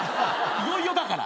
いよいよだから。